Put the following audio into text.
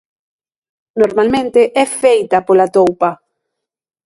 Normalmente é feita pola toupa.